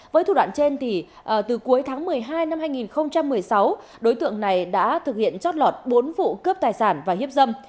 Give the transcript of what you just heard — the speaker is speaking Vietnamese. với thủ đoạn trên từ cuối tháng một mươi hai năm hai nghìn một mươi sáu đối tượng này đã thực hiện chót lọt bốn vụ cướp tài sản và hiếp dâm